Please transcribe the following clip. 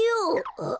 あっ。